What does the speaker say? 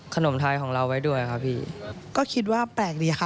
ขนมไทยของเราไว้ด้วยครับพี่ก็คิดว่าแปลกดีค่ะ